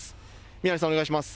宮根さん、お願いします。